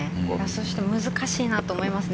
そして難しいなと思います。